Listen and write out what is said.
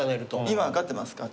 今分かってますか？